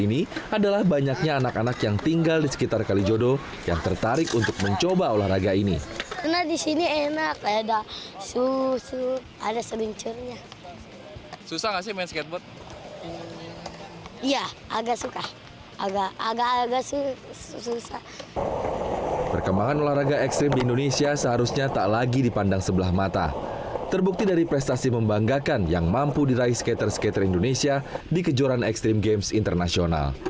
fijian fiji adalah sebuah kejuaraan di kalijodo